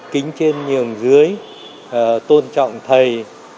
kính trên nhường dưới tôn trọng thầy